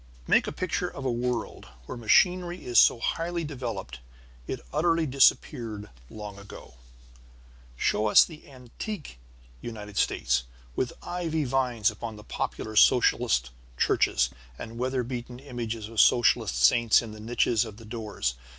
Make a picture of a world where machinery is so highly developed it utterly disappeared long ago. Show us the antique United States, with ivy vines upon the popular socialist churches, and weather beaten images of socialist saints in the niches of the doors.